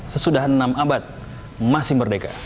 sesudah enam abad masih merdeka